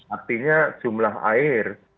artinya jumlah air